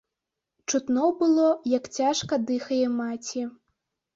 Чутно было, як цяжка дыхае маці.